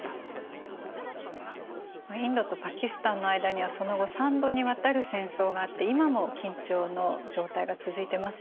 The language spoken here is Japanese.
インドとパキスタンの間にはその後３度にわたる戦争があって今も緊張の状態が続いてますよね。